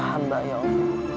hamba ya allah